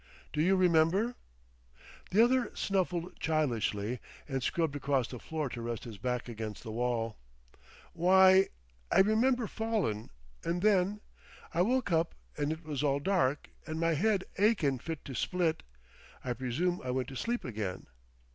"Do you remember?" The other snuffled childishly and scrubbed across the floor to rest his back against the wall. "Why y ... I remember fallin'; and then ... I woke up and it was all dark and my head achin' fit to split. I presume I went to sleep again